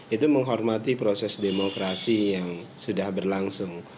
itu menghormati proses demokrasi yang sudah berlangsung